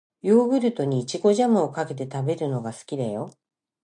ヨーグルトに、いちごジャムをかけて食べるのが好きだよ。